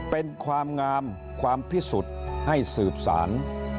เป็นความงามความพิสุทธิ์ให้สืบสาร